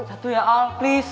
satu ya al please